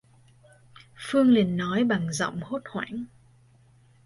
Phương liền nói bằng giọng hốt hoảng